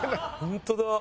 本当だ。